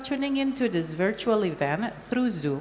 yang menikmati acara virtual ini melalui zoom